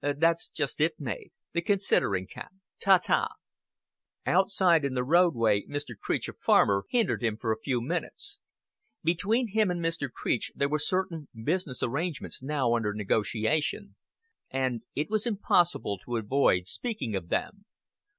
"That's just it, Mav. The considering cap. Ta ta." Outside in the roadway Mr. Creech, a farmer, hindered him for a few minutes. Between him and Mr. Creech there were certain business arrangements now under negotiation, and it was impossible to avoid speaking of them.